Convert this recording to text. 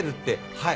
はい。